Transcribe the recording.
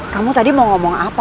kamu tadi mau ngomong apa